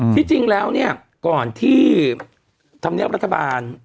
ที่จริงแล้วเนี่ยก่อนที่ธรรมเนียบรัฐบาล